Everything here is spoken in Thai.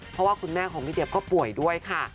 เพราะว่าคุณแม่ของพี่เจี๊ยก็ป่วยด้วยค่ะ